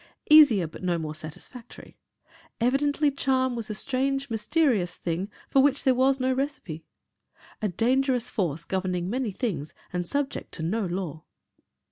Easier but no more satisfactory. Evidently charm was a strange, mysterious thing, for which there was no recipe. A dangerous force governing many things and subject to no law.